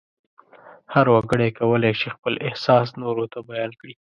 هر وګړی کولای شي خپل احساس نورو ته بیان کړي.